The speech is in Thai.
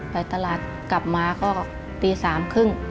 ไปตลาดกลับมาก็ตีสามครึ่ง